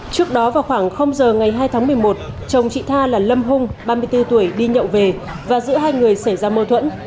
trước đó vào khoảng giờ ngày hai tháng một mươi một chồng chị tha là lâm hung ba mươi bốn tuổi đi nhậu về và giữa hai người xảy ra mâu thuẫn